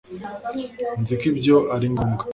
nzi ko ibyo ari ngombwa